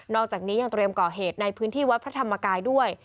อกจากนี้ยังเตรียมก่อเหตุในพื้นที่วัดพระธรรมกายด้วย